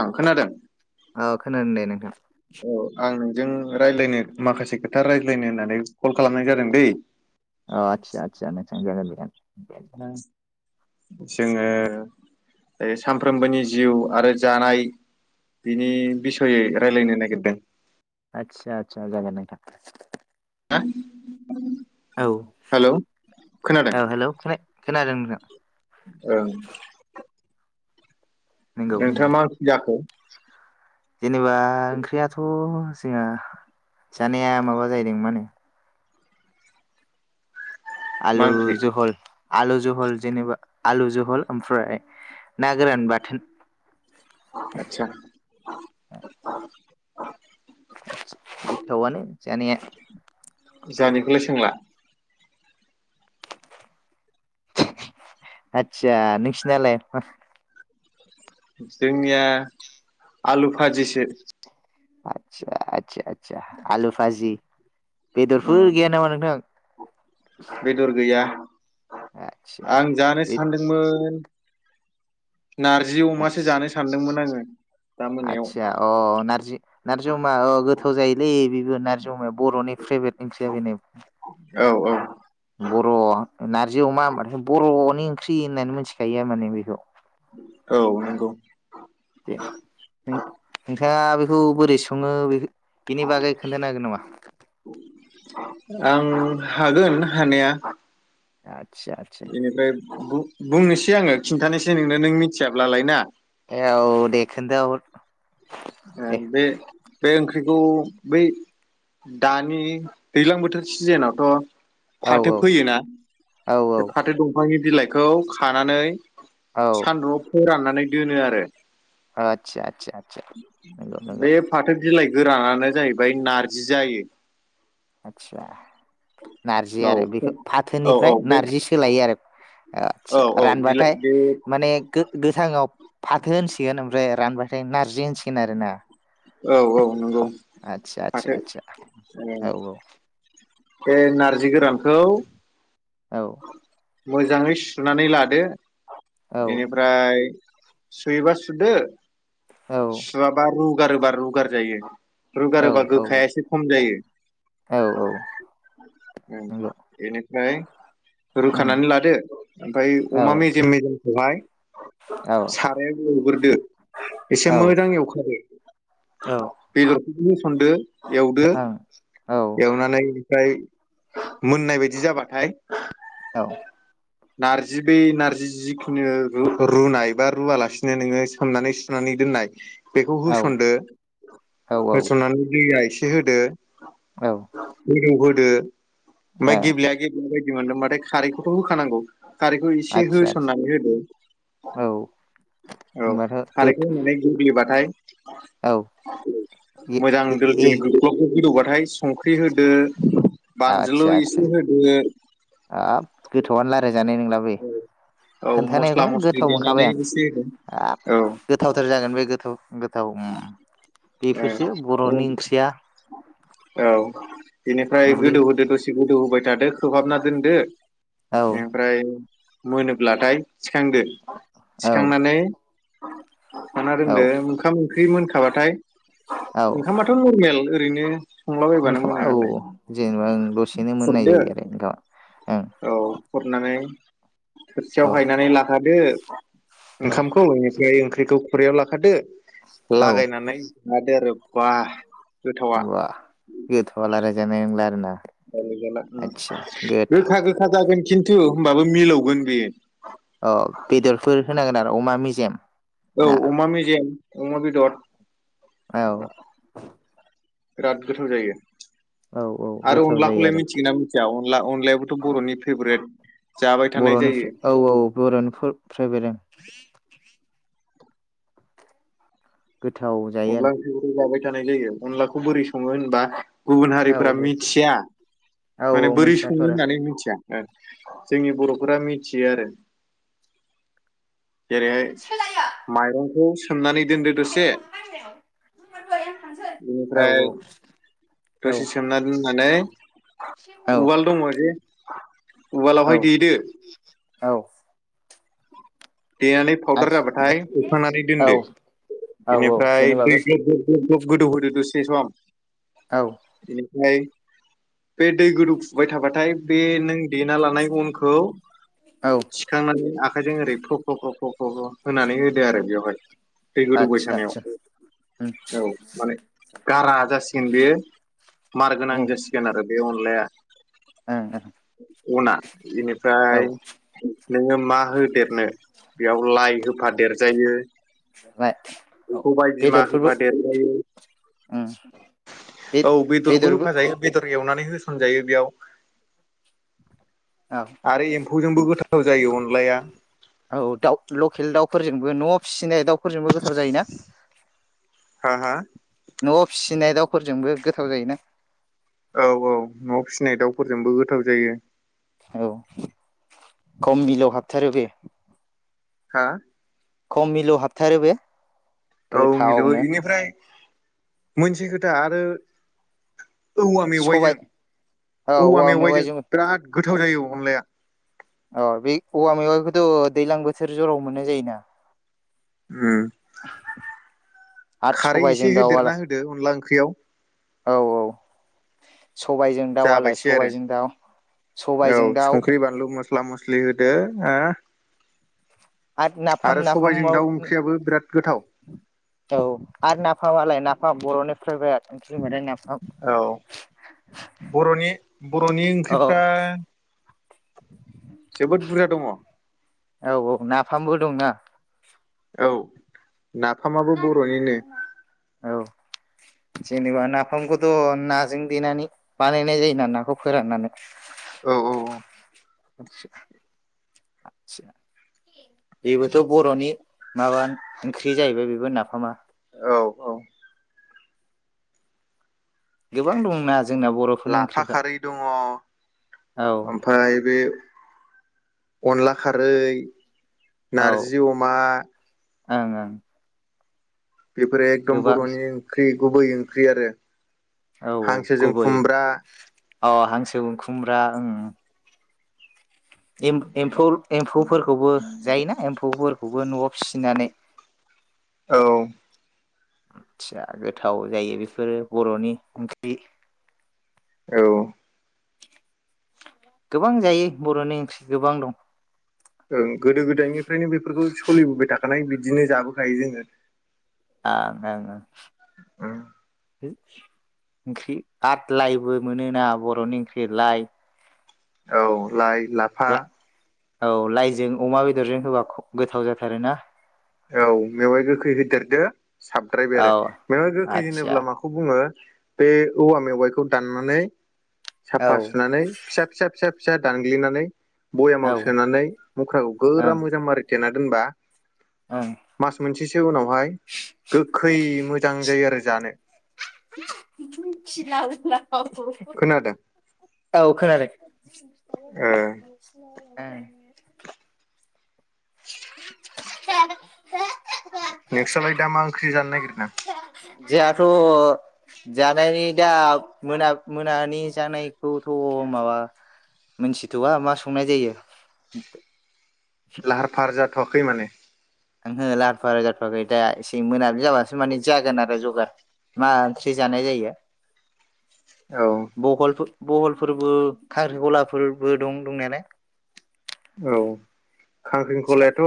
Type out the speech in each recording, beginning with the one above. ओं खोनादों ओ खोनादों दे नोंथां जों रायज्लायनो माखासे खोथा रायज्लायनो होननानै कल खालामनाय जादों दे। अ आतसा आतसा नोंथां जागोन [unintelligible] नों जोङो सानफ्रोमबोनि जिउ आरो जानाय बिनि बिसयै राय्लायनो नागिरदों आतसा आतसा जगोन नोंथां हा? औ हेलौ औ हेलौ खोना खोनांदों नोंथां औ नंगौ नोंथाङा नंगौ। मा ओंख्रि जाखो? जेनेबा ओंख्रियाथ' जोंहा जानाया माबा जाहैदों मा होनो मा आलु ओंख्रि जहल आलु जहल जेनेबा आलु जहल ओमफ्राय ना गोरान बाथोन। आतसा। [inaudible] गोथावानो जानाया। जोंहानिखौलाय सोंला। आतसा नोंसिनालाय? जोंनिया आलु भाजिसो। आतसा आतसा आतसा आलु भाजि। बेदरफोर उम गैया नामा नोंथां? बेदर गैया। आदसा आं जानो बे सानदोंमोन। नारजि अमासो जानो सानदोंमोन आतस आङो दा मोनायाव आतसा अ नारजि नारजि अमा ओ गो थाव' जायोलै बेबो नारजि अमायाबो। बर'नि प्रेबेट ओंख्रिया बेनो औ औ बर' नारजि अमा होनबाथाय बर' नि ओंख्रि होननानै मिथिखायो माने बेखौ औ नंगौ। दे नों नोंथाङा बेखौ बोरै सङो बे बिनि बागै खोन्थानो हागोन नामा। आं हागोन हानाया। [inaudible] बेनिफ्राय बुहुथ बुंनोसै आङो खिन्थानोसै नोंनो नों मिथियाब्लालाय ना। ए औ दे खोनथा हर। ओ बे बे ओंख्रिखौ बै दानि दैज्लां बोथोर सिजोनावथ' औ फाथो फोयोना। औ औ बे फाथो दंफांनि बिलाइखौ खानानै औ सान्दुंआव फोराननानै दोनो आरो। आदसा आदसा आदसा नंगौ नंगौ बे फाथो बिलाय गोरानानो जाहैबाय नारजि जायो। आदसा नारजि औ आरो बेखौ औ औ फाथोनिफ्राय बे नार्जि सोलायो आरो। औ आदसा औ बिलाइ रानबाथाय बे माने गो-गोथांआव फाथो होनसिगोन ओमफ्राय रानबा ओमफ्राय नारजि होनसिगोन आरो ना? औ औ। नंगौ आतसा फाथो आसा-आसा औ-औ बे नारजि गोरानखौ औ मोजाङै सुनानै लादो। औ बेनिफ्राय सुयोबा सुदो। औ सुआबा रू। रुबा सुगार जायो। रुगारोबा गोखाया एसे खम जायो। औ-औ नंगौ। गै [unintelligible] उम रुखानानै लादो ओमफफ्राय औ अमा मेजेम मेजेमखौहाय औ साराया रु बोरदो एसे औ मोजां एवखादो ओं औ बेदर बिैस [unintelligible] एवदो औ औ एवनानै ओमफ्राय मोननाय बायदि जाबाथाय। औ नार्जि बै नार्जि जिखिनि रुनायबा रुवालासिनो नोङो सोमनानै सोमनानै दोननाय। बेखौ ओ होसनदो होसननानै दैआ एसे ए होदो ब रो मा गेब्लेया गेब्लेयि बा बिदि मोनदोंबाथाय खारैखौथ' होखानांगौ खारैखौ एसे आदसा आदसा होसननानै होदो औ औ होनबाथ' गोथ खारैखो नोनाय गिब्लिय बाथाय औ मोजां दोल ए-ए-ए दोल गोलबगोदौ हाय संख्रि होदो बानज्लु एसे होदो आब गोथावआनो लाराय जानाय नंला बे, औ मस्ला खोन्थानायखौनो मस्लि गोथाव मोनखाबाय देनानै आं। एसे होदो आ औ गोथावथार जागोन बे गोथाव गो बर'नि ओंख्रिया औ बेनिफ्राय उदै गोदौ होदो दसे गोदौ होबाय थादो खोबहाबना दोनदो। औ ओमफ्राय मोनोब्लाथाय थिखांदो। औ थिखांनानै पना औ दोनदो मोखांमो ओंख्रि मोनखाबाथाय ओंखामाथ' नर्मेल ओ रैनो ओंखामा औ जेनेबा ओं दसेनो मोननाय खुरदो जायो आरो ओंखामा ओं। औ खुरनानै थोरसियाव हायनानै लाखादो। ओं ओंखामखौ बे ओंख्रिखौ खुरायाव लाखादो। औ औ औ लागायनानै लादो आरो। बा। गोथावा बा गोथावा लाइरायजानाय नंला आरो ना। आलोगाला उम गोखा गोखा जागोन। खिन्थु होनबाबो मिलौगोन बेयो। अ बेदरफोर होनांगोन आरो अमा मेजेम। औ ना अमा मेजेम अमा बेदर। औ। बिराद गोथाव जायो। औ औ आरो गोथाव जायो अनलाखौलाय आरो मिथिगोना मिथिया अनला अनलायाबोथ' बर'नि फेभरेट। जाबाय थानाय बर'नि जायो फ औ औ बर'नि फ फेभरेट ओं। [inaudible] गोथाव जायो आरो। जानाय जायो अनलाखौ बोरै सङो होनबा गुबुन आरो हारिफोरा औ मिथिया औ माने औ बोरै सङो मिथियाथ' आरो औ होननानै मिथिया। ओ जोंनि बर'फोरा मिथियो आरो। जेरैहाय माइरंखौ सो सोमनानै दोनदो दसे औ बेनिफ्राय औ दसे सोमनानै दोननानै औ उवाल दङ जे [inaudible] औ उवालावहाय देदो औ देनानै पावउदार आथि जाबाथाय हुखांनानै औ दोनदो औ औ बेनिफ्राय बेनि दै बागै ग्लब ग्लब खौ गोदौ होदो दसे सम औ ओमफ्राय बे दै गोदौ फुबाय थाबाथाय बे नों देना लानाय अनखौ औ सिखांनानै अखा आखाजों ओरै फ्र फ्र फ्र फ्र होनानै होदो आरो बेवहाय दै गोदौबाय आदसा थानायाव आदसा औ माने गारा जासिगोन बेयो मार गोनां जासिगोन आरो बे अनलाया ओ - ओ अना इदिनो प्राय नोङो मा होदेरनो बेयाव लाइ होफा देरजायो बाय औ सबाय बिमा बेदरफोरबो होफादेरजायो उम औ बेदरबो होफा जायो बेदर एवनानै हो होसनजायो बेयाव औ आरो एम्फौजोंबो गोथाव जायो अनलाया - औ दाल लकेल दाउ फोरफोरजोंबो नआव फिसिनाय दाउफोरजोंबो गोथार जायोना हो - हो नआव फिसिनाय दाउफोरजोंबो गोथाव जायोना औ - औ नआव फिसिनाय दाउफोरजोंबो गोथाव जायो औ खम मिलौव हाबथारो बे हा खम मिलौ हाबथारो बे। औ मिलौ गोथावनो यिनिफ्राय। मोनसे खोथा आरो औवा सबाय मेवाइजों औवा मेवाइजों बिराद गोथाव जायो अनलाया अ बे औवा मेवाखौथ दैज्लां बोथोर जराव मोननाय जायोना ओम आरो खारै सबायजों एसे होदेरना दाउआलाय होदो अनला ओंख्रियाव औ - औ सबायजों दाउलाय जाबायसै आरो सबायाइजों दाउ औ सबायाइजों दाउ संख्रि बानलु मस्ला मस्लि होदो ओ आरो नाफाम नाफामाव बिराद गोथाव औ आरो नाफामालाय नाफ मा बर'नि फ्रेब्रेड। औ बर'नि बर'नि औ ओंख्रिफ्रा। जोबोद बुरजा दङ औ औ नाफामबो दंना औ। नाफामाबो बर'निनो औ जेनेबा नाफामखौथ' नाजों देनानै बानायनाय जायोना नाखौ फोराननानै औ औ औ। [inaudible] बेबोथ' बर'नि माबा ओंख्रि जाहैबाय बेबो नाफामा औ औ गोबां दंना जोंना बर'फोरनि लाफा ओंख्रिफ्रा खारै दङ औ ओमफ्राय बे अनला खारै। औ नारजि अमा ओं ओं बेफोरो एकदम गोबां बर'नि ओंख्रि गुबै ओंख्रि आरो हांसोजों खुमब्रा अ हांसो खुमब्रा ओं एम-एम्फौ एम्फौफोरखौबो जायोना एम्फौफोर खौबो न'आव फिसिनानै औ थिया गोथाव जायो बेफोरो बर'नि ओंख्रि औ गोबां जायो बर'नि ओंख्रि गोबां दं ओं गोदो गोदायनिफ्रायनो बेफोरखौ सलिबोबाय थाखानाय बिदिनो जाबोखायो जोङो आं आं आं उम ओंख्रि आदलाइबो मोनोना बर'नि ओंख्रि लाइ औ लाय लाफा औ लाइजों अमा बेदरजों होबा खोब गोथाव जाथारो ना औ मेवाइ गोखै होदेरदो साबद्रायबाय औ आरो मेवाइ गोखै आदसा होनोब्ला माखौ बुङो बे औवा मेवाइखौ दाननानै औ साफा सुनानै फिसा फिसा फिसा फिसा दानग्लिनानै औ बयामाव सोनानै मुख्राखौ ओं गोरा मोजां मारि थेना दोनबा [inaudible] ओं मास मोनसेस सो उनाव हवाय गो खै मोजां जायो आरो जानो [unintelligible] खोनादों [unintelligible] औ खोनादो [unintelligible] [unintelligible] ओ [inaudible] नोंस्रालाय दा मा ओंख्रि जानो नागिरदों? जोहाथ' जानायनि दा मोना-मोनानि जानायखौथ' माबा मोनथिथ'आ मा संनाय जायो लाहार फाहार जा थवाखै माने ओंहो लाहार फाहार जाथ'वाखै दा एसे मोनाबिलि जाबासो माने जागोन आरो जगार मा ओंख्रि जानाय जायो। औ बहलफो ब'हलफोरबो खांख्रिखलाफोरबो दं दंनायालाय औ खांख्रिंख'लायाथ'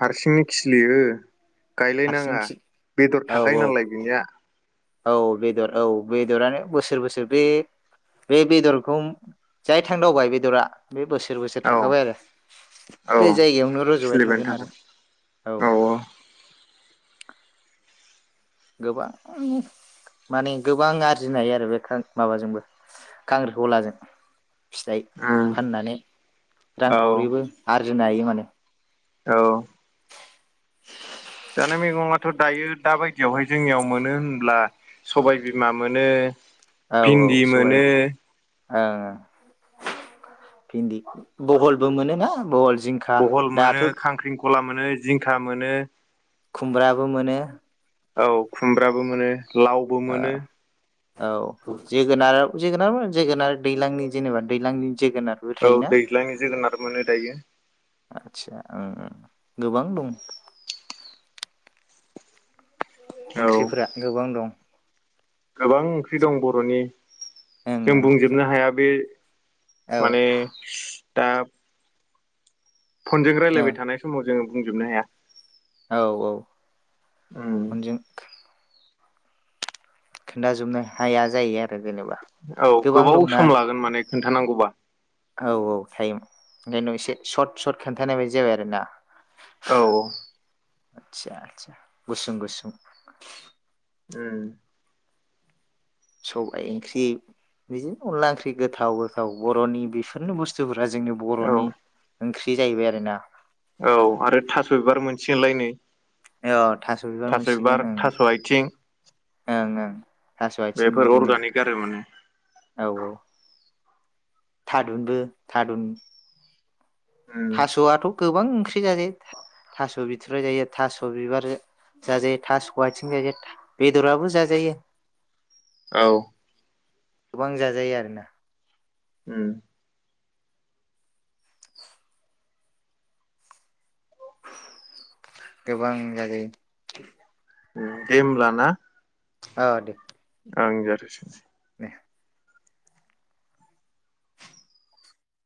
हारसिंनि खिलियो गायलायनाङा हारसिंखि बेदर थाखायो नालाय बिनिया औ-औ-औ बेदर औ बे बेदरानो बोसोर बोसोर बे-बे बेदरखौ जाय थांदावबाय बेदरा बे बोसोर बोसोर औ थाखाबाय आरो बे औ जायगायावनो रज'बाय थागोन खिलिबायानो आरो औ गोबां माने गोबां आरजिनाय हायो आरो बे खां माबाजोंबो खांख्रिखलाजों फिथाइ उम फाननानै औ रांखावरिबो आरज दोननो हायो माने औ जानाय मैगङाथ' दायो दा बायदियावहाय जोंनियाव मोनो होनब्ला सबायबिमा मोनो भिन्दि मोनो ओ भिन्दि बहलबो मोनोना बहल जिंखा बहल मोनो दाथ' खांख्रिं खला मोनो जिंखा मोनो खुमब्राबो मोनो औ खुमब्राबो मोनो लावबो औ मोनो जोगोनार जोगोनार जोगोनार दैलांनि जेनेबा दैलांनि औ दैज्लांनि जोगोनारबो मोनो दायो। आदसा ओं ओं गोबां दं। औ ओंख्रिफोरा गोबां दं। गोबां ओंख्रि दं बर'नि ओं जों ओं बुंजोबनो हाया बे औ माने दा फनजों ओं रायलायबाय थानाय समाव जोङो बुंजोबनो हाया। औ औ उम फनजों खोन्थाजोबनो हाया जायो आर औ गोबाव सम लागोन माने खोन्थानांगौबा। औ औ टाइम ओंखायनोथ' एसे सर्ट सर्ट खोन्थानाय बायदि जाबाय आरो ना। औ औ आदसा आदसा गुसुं गुसुं उम सबाय ओंख्रि बिदिनो अनला ओंख्रि गोथाव गोथाव बर'नि बेफोरनो बुस थुफोरा जोंनि औ बर'नि ओंख्रि जाहैबाय आरो ना। औ आरो थास' बिबार मोनसिगोनलाय नै। [unintelligible] थास' मोनसिगोन बिबार ओं थास' आयथिं ओं ओं थास' आथिं बिदिनो अर्गानिक आरो माने औ औ थादुनबो थादुन उम थास'आथु गोबां ओंख्रि जाजायो था-थास' बिथुराय जायो थास' बिबार जाजायो थास' आथिं जाजायो बेदराबो जाजायो। औ गोबां जाजायो आरोना। उम गोबां जाजायो। उम दे होमला ना। ओ दे। आं जाथो [unintelligible] सै दे